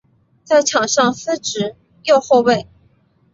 在场上司职右后卫。